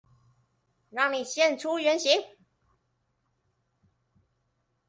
讓你現出原形！